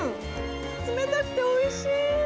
冷たくておいしい。